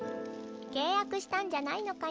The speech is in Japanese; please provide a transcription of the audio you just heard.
契約したんじゃないのかニャ？